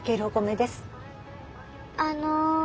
あの。